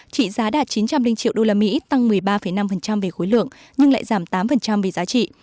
trị giá đạt chín trăm linh triệu usd tăng một mươi ba năm về khối lượng nhưng lại giảm tám về giá trị